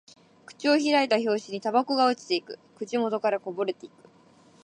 口を開いた拍子にタバコが落ちていく。口元からこぼれていく。